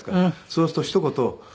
そうするとひと言